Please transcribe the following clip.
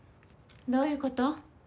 どういうこと？